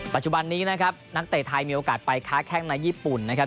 ปัจจุบันนี้นะครับนักเตะไทยมีโอกาสไปค้าแข้งในญี่ปุ่นนะครับ